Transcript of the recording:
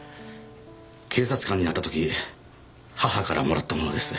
警察官になった時母からもらったものです。